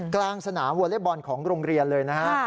กลางสนามวอเล็กบอลของโรงเรียนเลยนะฮะ